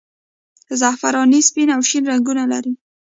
زعفراني سپین او شین رنګونه لري.